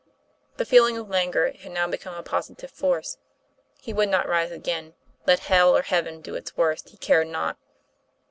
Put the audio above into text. The feeling of languor had now become a positive force; he would not rise again let hell or heaven do its worst, he cared not.